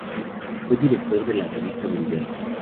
Fue director de la revista "Mundial".